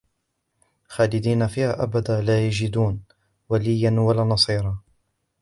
خَالِدِينَ فِيهَا أَبَدًا لَا يَجِدُونَ وَلِيًّا وَلَا نَصِيرًا